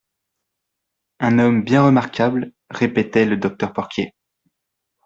, Un homme bien remarquable, répétait le docteur Porquier.